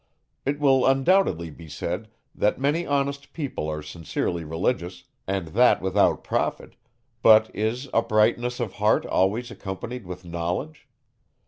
It will undoubtedly be said, that many honest people are sincerely religious, and that without profit; but is uprightness of heart always accompanied with knowledge?